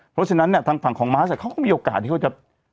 เพราะฉะนั้นเนี่ยทางฝั่งของมาร์ชเขาก็มีโอกาสที่เขาจะ